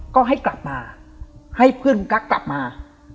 ก็ให้กลับมาให้เพื่อนคุณกั๊กกลับมา